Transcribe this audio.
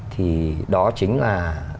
thì đó chính là